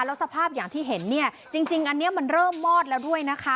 แล้วสภาพอย่างที่เห็นเนี่ยจริงอันนี้มันเริ่มมอดแล้วด้วยนะคะ